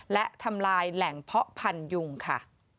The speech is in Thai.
และทำลายแหล่งเพาะพันยุงค่ะ